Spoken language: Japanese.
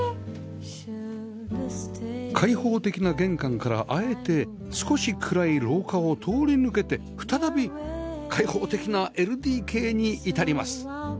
開放的な玄関からあえて少し暗い廊下を通り抜けて再び開放的な ＬＤＫ に至ります